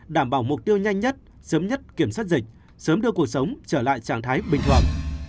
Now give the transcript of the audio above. đảm bảo mục tiêu nhanh nhất sớm nhất kiểm soát dịch sớm đưa cuộc sống trở lại trạng thái bình thường